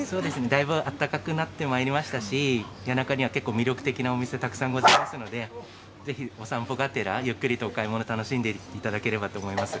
だいぶあったかくなってまいりましたし、谷中にはけっこう魅力的なお店、たくさんございますので、ぜひお散歩がてら、ゆっくりとお買い物を楽しんでいただければと思います。